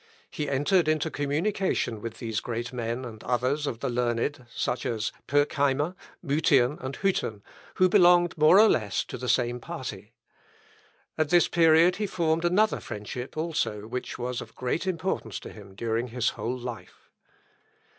He entered into communication with these great men and others of the learned, such as Pirckheimer, Mutian, and Hütten, who belonged more or less to the same party. At this period he formed another friendship also, which was of great importance to him during his whole life.